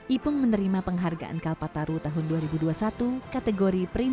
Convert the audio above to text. ipung menerima penghargaan kalpataru tahun dua ribu dua puluh satu kategori